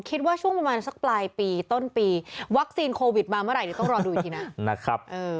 คิดว่าช่วงประมาณสักปลายปีต้นปีวัคซีนโควิดมาเมื่อไหร่เดี๋ยวต้องรอดูอีกทีนะนะครับ